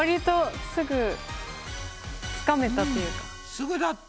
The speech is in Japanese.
すぐだった。